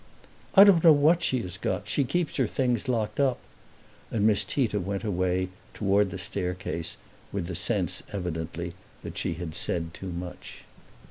"I don't know what she has got. She keeps her things locked up." And Miss Tita went away, toward the staircase, with the sense evidently that she had said too much.